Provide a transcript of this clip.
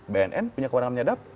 bnn punya keundangan menyadap